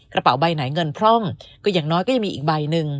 กระเป๋าใบไหนเงินพร่องก็อย่างน้อยก็ยังมีอีกใบหนึ่ง